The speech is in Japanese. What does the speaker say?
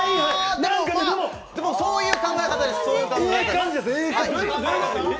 でも、そういう考え方です。